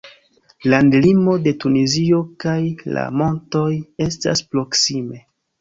Landlimo de Tunizio kaj la montoj estas proksime.